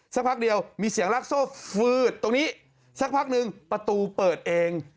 สักพักเดียวมีเสียงรักโซ่ฟืดตรงนี้สักพักนึงประตูเปิดเอง